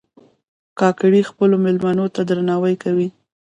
کاکړي خپلو مېلمنو ته درناوی کوي.